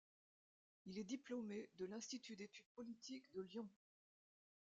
Il est diplômé de l'Institut d'études politiques de Lyon.